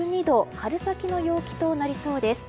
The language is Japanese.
春先の陽気となりそうです。